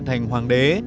thành hoàng đế